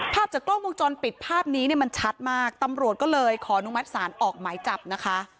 ภาพจากกล้องวงจรปิดภาพนี้เนี่ยมันชัดมากตำรวจก็เลยขออนุมัติศาลออกหมายจับนะคะ